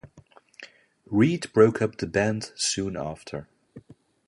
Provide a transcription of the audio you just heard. Reed broke up the band soon after.